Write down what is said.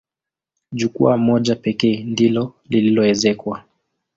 Jukwaa moja pekee ndilo lililoezekwa.